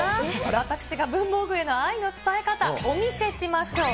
私が文房具への愛の伝え方、お見せしましょう。